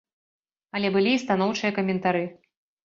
Але былі і станоўчыя каментары.